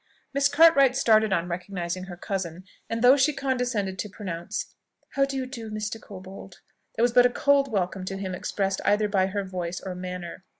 Miss Cartwright started on recognising her cousin, and though she condescended to pronounce, "How do you do, Mr. Corbold?" there was but a cold welcome to him expressed either by her voice or manner.